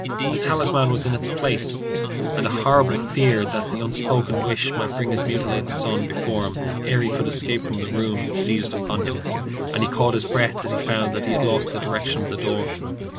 The talisman was in its place, and a horrible fear that the unspoken wish might bring his mutilated son before him ere he could escape from the room seized upon him, and he caught his breath as he found that he had lost the direction of the door.